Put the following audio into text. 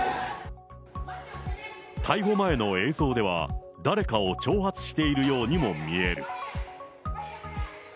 逮捕前の映像では、誰かを挑発しているようにも見える。